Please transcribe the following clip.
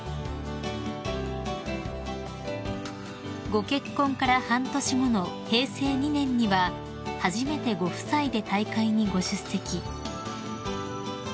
［ご結婚から半年後の平成２年には初めてご夫妻で大会にご出席］